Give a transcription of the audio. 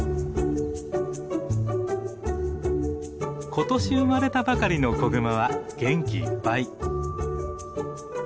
ことし生まれたばかりの子グマは元気いっぱい。